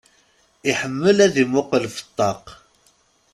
Iḥemmel ad imuqqel f ṭṭaq.